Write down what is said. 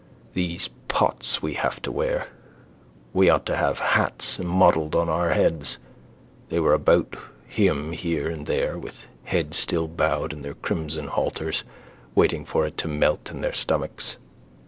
These pots we have to wear. We ought to have hats modelled on our heads. They were about him here and there, with heads still bowed in their crimson halters, waiting for it to melt in their stomachs.